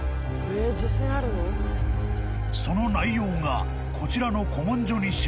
［その内容がこちらの古文書に記されている］